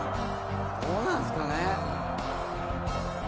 「どうなんですかね？」